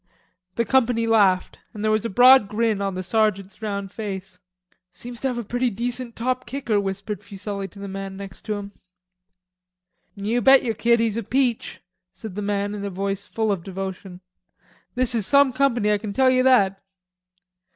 The company laughed, and there was a broad grin on the sergeant's round face. "Seem to have a pretty decent top kicker," whispered Fuselli to the man next to him. "You bet yer, kid, he's a peach," said the other man in a voice full of devotion. "This is some company, I can tell you that."